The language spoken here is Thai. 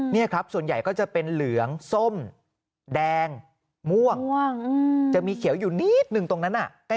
นี่ครับส่วนใหญ่ก็จะเป็นเหลืองส้มแดงม่วงจะมีเขียวอยู่นิดนึงตรงนั้น